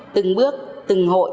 từng bước từng hội